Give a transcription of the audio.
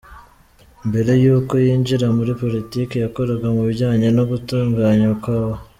Mbere y’uko yinjira muri Politiki, yakoraga mu bijyanye no gutunganya ikawa.